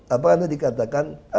apa yang dikatakan